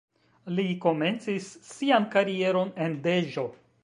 Li komencis sian karieron en Deĵo.